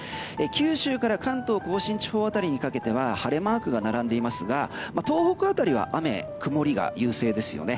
九州から関東・甲信地方辺りにかけては晴れマークが並んでいますが東北辺りは雨、曇りが優勢ですね。